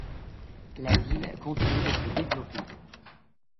La ville continue de se développer.